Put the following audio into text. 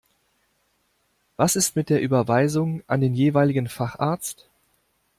Was ist mit der Überweisung an den jeweiligen Facharzt?